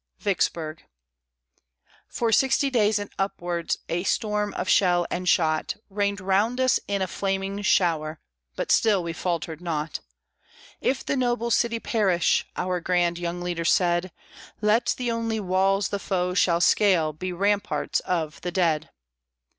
VICKSBURG For sixty days and upwards, A storm of shell and shot Rained round us in a flaming shower, But still we faltered not. "If the noble city perish," Our grand young leader said, "Let the only walls the foe shall scale Be ramparts of the dead!"